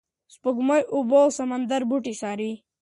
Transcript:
سپوږمکۍ اوبه او سمندري بوټي څاري.